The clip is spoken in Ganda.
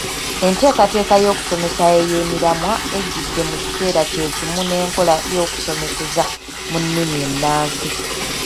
Enteekateeka y’okusomesa ey’emiramwa ejjidde mu kiseera kye kimu n’enkola y’okusomeseza mu nnimi ennansi.